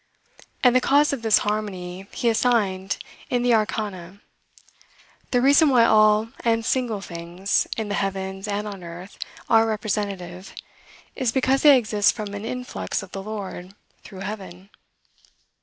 And the cause of this harmony he assigned in the Arcana: "The reason why all and single things, in the heavens and on earth, are representative, is because they exist from an influx of the Lord, through heaven."